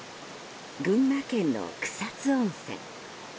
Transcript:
群馬県の草津温泉。